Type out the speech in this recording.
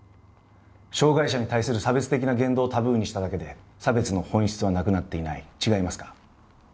障害者に対する差別的な言動をタブーにしただけで差別の本質はなくなってない違いますか？